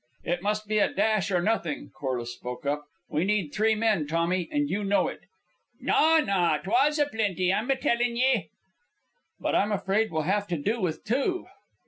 "It must be a dash or nothing," Corliss spoke up. "We need three men, Tommy, and you know it." "Na, na; twa's a plenty, I'm tellin' ye." "But I'm afraid we'll have to do with two."